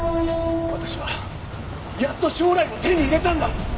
私はやっと将来を手に入れたんだ。